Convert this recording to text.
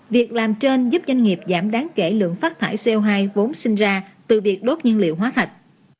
việc làm trên giúp doanh nghiệp giảm đáng kể lượng phát thải co hai vốn sinh ra từ việc đốt nhiên liệu hóa thạch